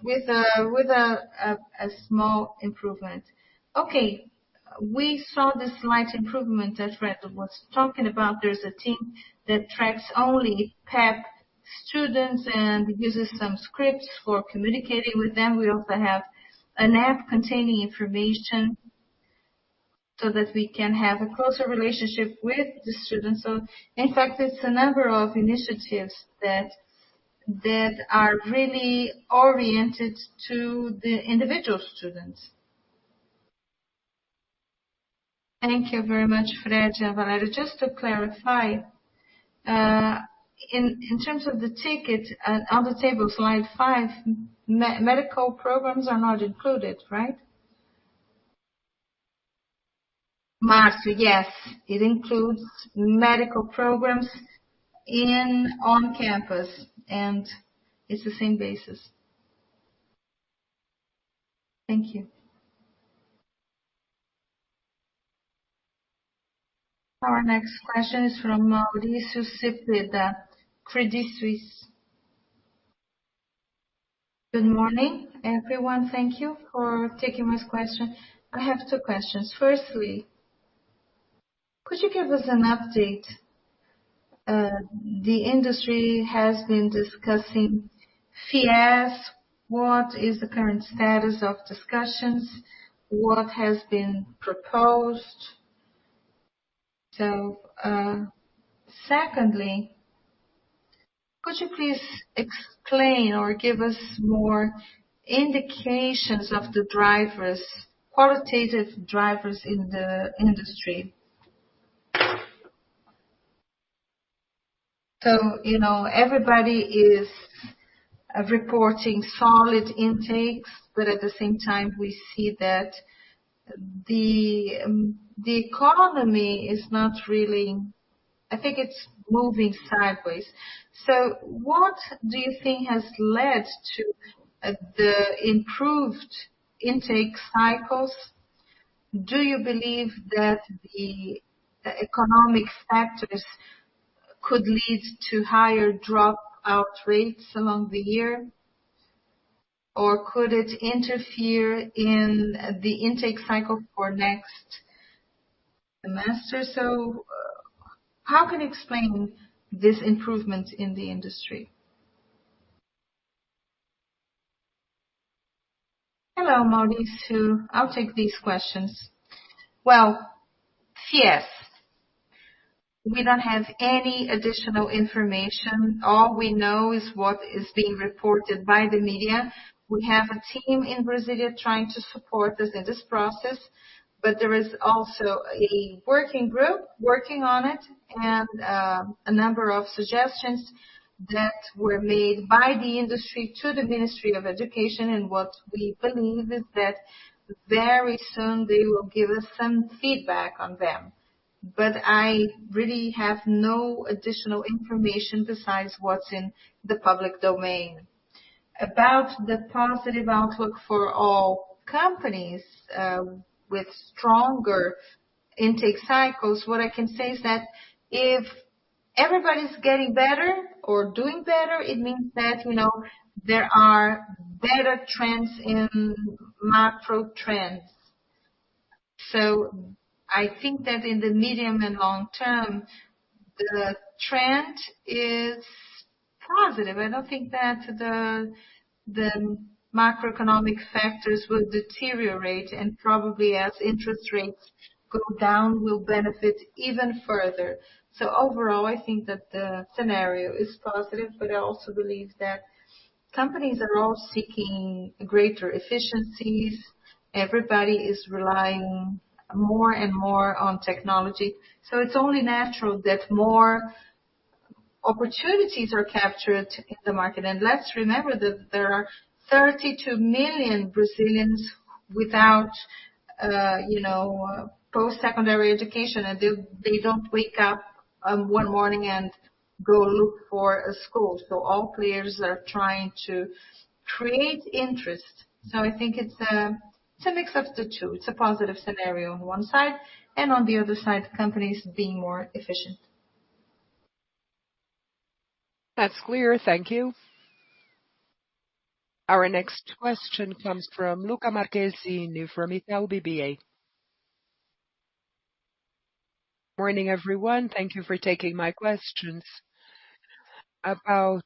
with a small improvement. Okay. We saw the slight improvement that Fred was talking about. There's a team that tracks only PEP students and uses some scripts for communicating with them. We also have an app containing information so that we can have a closer relationship with the students. In fact, it's a number of initiatives that are really oriented to the individual student. Thank you very much, Fred and Valério. Just to clarify, in terms of the ticket, on the table slide five, medical programs are not included, right? Marcio, yes. It includes medical programs on campus. It's the same basis. Thank you. Our next question is from Mauricio Cepeda, Credit Suisse. Good morning, everyone. Thank you for taking this question. I have two questions. Firstly, could you give us an update? The industry has been discussing FIES. What is the current status of discussions? What has been proposed? Secondly, could you please explain or give us more indications of the drivers, qualitative drivers in the industry? You know, everybody is reporting solid intakes, but at the same time, we see that the economy is not really. I think it's moving sideways. What do you think has led to the improved intake cycles? Do you believe that the economic factors could lead to higher dropout rates along the year? Or could it interfere in the intake cycle for next semester? How can you explain this improvement in the industry? Hello, Mauricio. I'll take these questions. Well, FIES, we don't have any additional information. All we know is what is being reported by the media. We have a team in Brasília trying to support us in this process, there is also a working group working on it and a number of suggestions that were made by the industry to the Ministry of Education. What we believe is that very soon they will give us some feedback on them. I really have no additional information besides what's in the public domain. About the positive outlook for all companies, with stronger intake cycles, what I can say is that if everybody's getting better or doing better, it means that, you know, there are better trends in macro trends. I think that in the medium and long term, the trend is positive. I don't think that the macroeconomic factors will deteriorate. Probably as interest rates go down, we'll benefit even further. Overall, I think that the scenario is positive, but I also believe that companies are all seeking greater efficiencies. Everybody is relying more and more on technology. It's only natural that more opportunities are captured in the market. Let's remember that there are 32 million Brazilians without, you know, post-secondary education. They don't wake up one morning and go look for a school. All players are trying to create interest. I think it's a mix of the two. It's a positive scenario on one side, and on the other side, companies being more efficient. That's clear. Thank you. Our next question comes from Lucas Marchesini from Itaú BBA. Morning, everyone. Thank you for taking my questions. About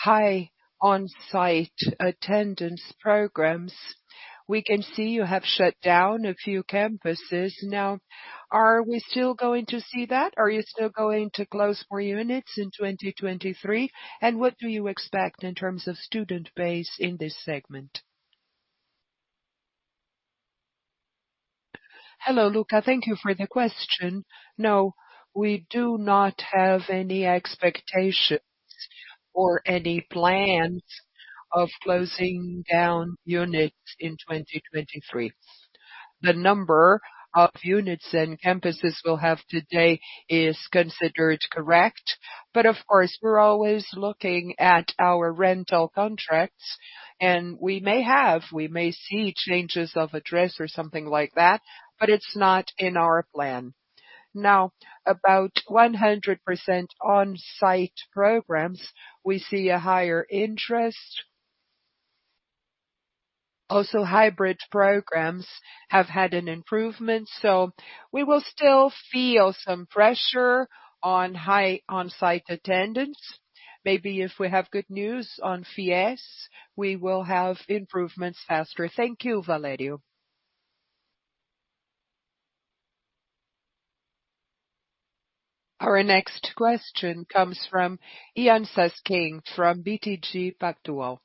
high on-site attendance programs, we can see you have shut down a few campuses. Are we still going to see that? Are you still going to close more units in 2023? What do you expect in terms of student base in this segment? Hello, Lucas. Thank you for the question. No, we do not have any expectations or any plans of closing down units in 2023. The number of units and campuses we'll have today is considered correct. Of course, we're always looking at our rental contracts, and we may see changes of address or something like that, but it's not in our plan. About 100% on-site programs, we see a higher interest. Also, hybrid programs have had an improvement. We will still feel some pressure on high on-site attendance. Maybe if we have good news on FIES, we will have improvements faster. Thank you, Valério. Our next question comes from Yan Cesquim from BTG Pactual.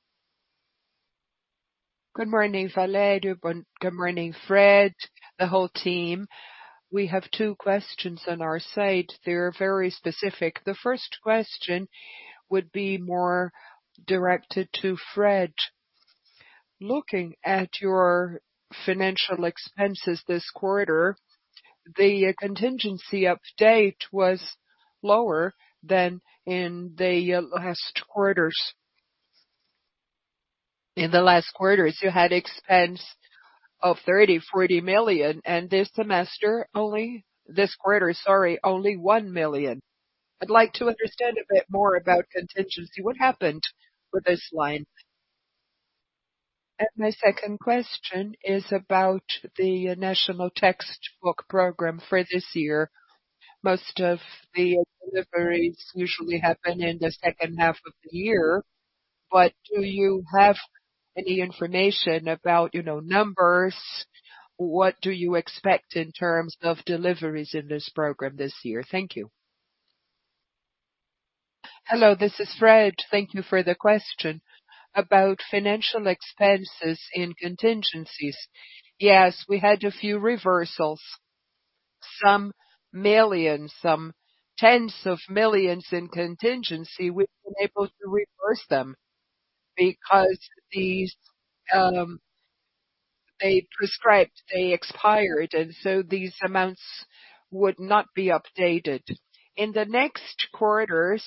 Good morning, Valério. Good morning, Fred, the whole team. We have two questions on our side. They're very specific. The first question would be more directed to Fred. Looking at your financial expenses this quarter, the contingency update was lower than in the last quarters. In the last quarters, you had expense of 30 million, 40 million, and this semester, this quarter, sorry, only 1 million. I'd like to understand a bit more about contingency. What happened with this line? My second question is about the National Textbook Program for this year. Most of the deliveries usually happen in the second half of the year, do you have any information about, you know, numbers? What do you expect in terms of deliveries in this program this year? Thank you. Hello, this is Fred. Thank you for the question. About financial expenses and contingencies, yes, we had a few reversals, some millions, some BRL tens of millions in contingency. We've been able to reverse them because these, they prescribed, they expired. These amounts would not be updated. In the next quarters,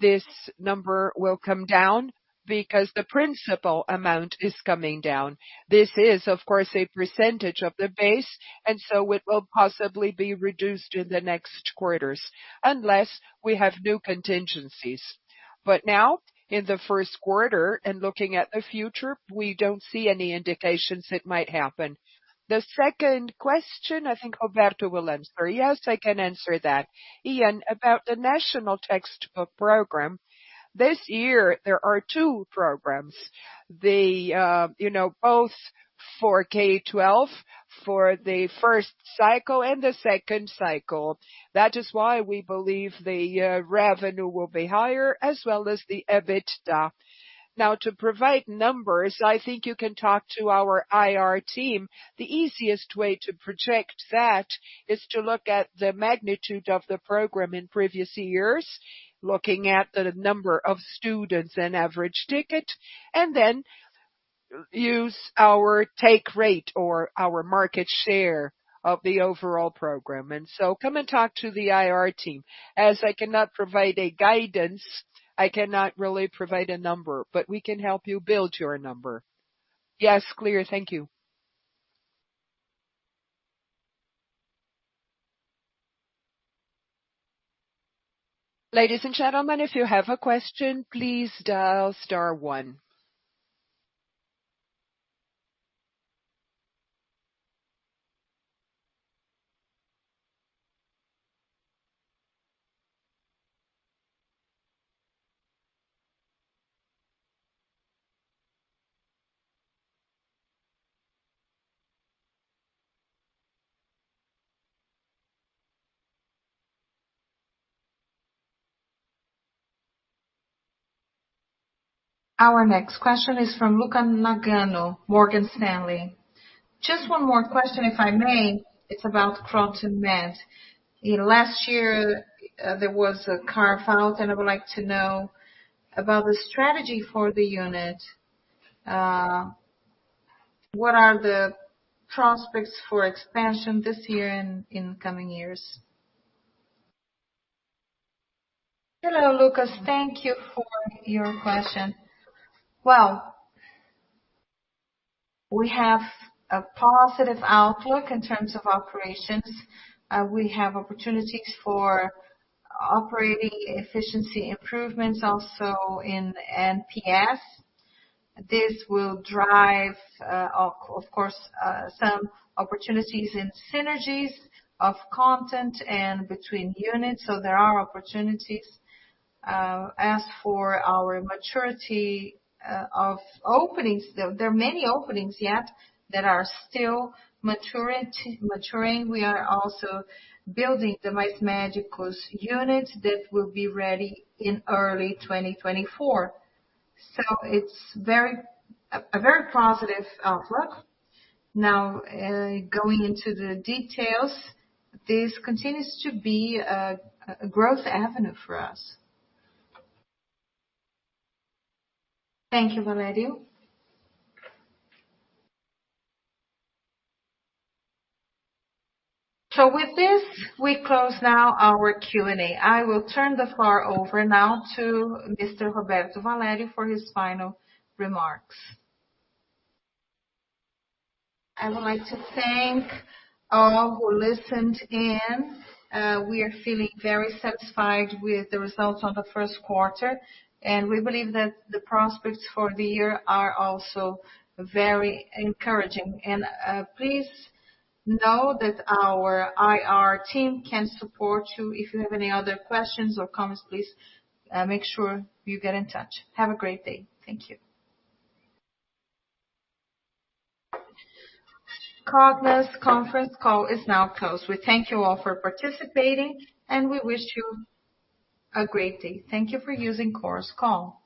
this number will come down because the principal amount is coming down. This is, of course, a percentage of the base, it will possibly be reduced in the next quarters unless we have new contingencies. Now, in the first quarter and looking at the future, we don't see any indications it might happen. The second question, I think Roberto will answer. Yes, I can answer that. Yan, about the National Textbook Program, this year there are two programs. The, you know, both for K-12, for the first cycle and the second cycle. That is why we believe the revenue will be higher as well as the EBITDA. To provide numbers, I think you can talk to our IR team. The easiest way to project that is to look at the magnitude of the program in previous years, looking at the number of students and average ticket, and then use our take rate or our market share of the overall program. Come and talk to the IR team. As I cannot provide a guidance, I cannot really provide a number, but we can help you build your number. Clear. Thank you. Ladies and gentlemen, if you have a question, please dial star one. Our next question is from Lucas Nagano, Morgan Stanley. Just one more question, if I may. It's about KrotonMed. In last year, there was a carve-out. I would like to know about the strategy for the unit. What are the prospects for expansion this year and in coming years? Hello, Lucas. Thank you for your question. Well, we have a positive outlook in terms of operations. We have opportunities for operating efficiency improvements also in NPS. This will drive, of course, some opportunities in synergies of content and between units. There are opportunities. As for our maturity of openings, there are many openings yet that are still maturing. We are also building the Minha Médica unit that will be ready in early 2024. It's a very positive outlook. Now, going into the details, this continues to be a growth avenue for us. Thank you, Valério. With this, we close now our Q&A. I will turn the floor over now to Mr. Roberto Valério for his final remarks. I would like to thank all who listened in. We are feeling very satisfied with the results of the first quarter, and we believe that the prospects for the year are also very encouraging. Please know that our IR team can support you. If you have any other questions or comments, please make sure you get in touch. Have a great day. Thank you. Cogna's conference call is now closed. We thank you all for participating, and we wish you a great day. Thank you for using Chorus Call.